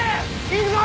行くぞ！